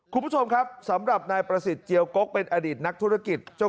คุณผู้ชมครับสำหรับนายประสิทธิ์เจียวกกเป็นอดีตนักธุรกิจ